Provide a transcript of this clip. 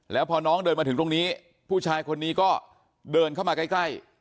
แล้วพอน้องเดินมาถึงตรงนี้ผู้ชายคนนี้ก็เดินเข้ามาใกล้